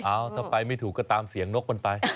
ถ้าไปไม่ถูกก็ตามเสียงนกมันไป